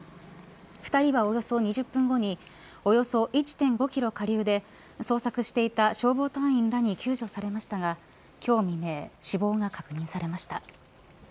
２人はおよそ２０分後におよそ１．５キロ下流で捜索していた消防隊員らに救助されましたが今日未明死亡が確認されました。